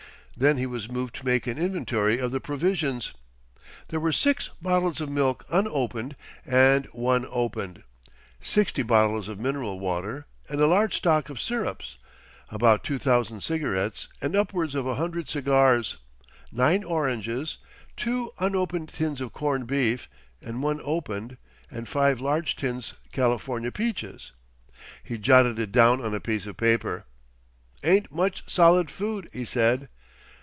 Then he was moved to make an inventory of the provisions. There were six bottles of milk unopened and one opened, sixty bottles of mineral water and a large stock of syrups, about two thousand cigarettes and upwards of a hundred cigars, nine oranges, two unopened tins of corned beef and one opened, and five large tins California peaches. He jotted it down on a piece of paper. "'Ain't much solid food," he said.